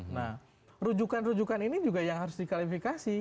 nah rujukan rujukan ini juga yang harus diklarifikasi